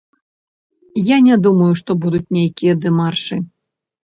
Я не думаю, што будуць нейкія дэмаршы.